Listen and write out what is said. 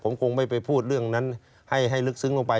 ผมคงไม่ไปพูดเรื่องนั้นให้ลึกซึ้งลงไป